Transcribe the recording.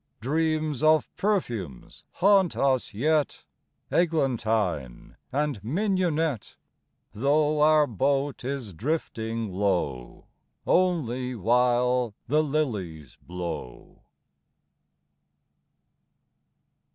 Dreams of perfumes haunt us yet, Eglantine and mignonette. Though our boat is drifting low Only while the liHes blow.